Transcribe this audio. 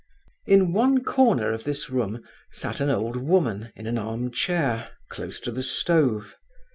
In one corner of this room sat an old woman in an arm chair, close to the stove.